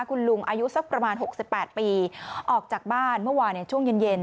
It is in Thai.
คุณลุงอายุสักประมาณ๖๘ปีออกจากบ้านเมื่อวานช่วงเย็น